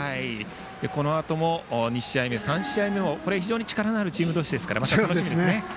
このあとも２試合目３試合目も力のあるチーム同士でまた楽しみですね。